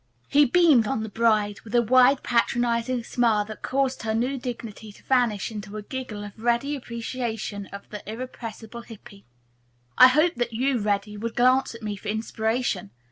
He beamed on the bride, with a wide patronizing smile that caused her new dignity to vanish in a giggle of ready appreciation of the irrepressible Hippy. "I hoped that you, Reddy, would glance at me for inspiration.